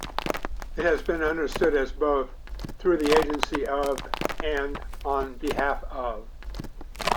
It has been understood as both "through the agency of" and "on behalf of".